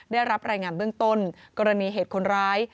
ได้รับรายงานเบื้องต้นกรณีเหตุคนร้าย